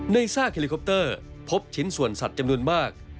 ซากเฮลิคอปเตอร์พบชิ้นส่วนสัตว์จำนวนมาก